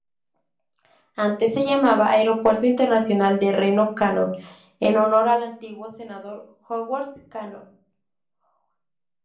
Antes se llamaba Aeropuerto Internacional de Reno-Cannon, en honor al antiguo senador Howard Cannon.